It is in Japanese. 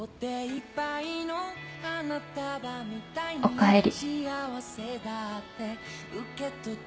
おかえり。